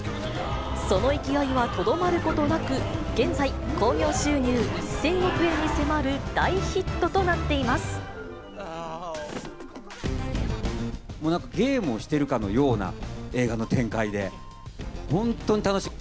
その勢いはとどまることなく、現在、興行収入１０００億円に迫もうなんか、ゲームをしてるかのような映画の展開で、本当に楽しい。